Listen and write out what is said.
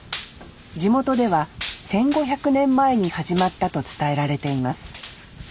地元では１，５００年前に始まったと伝えられています。